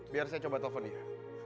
biar saya coba telepon dia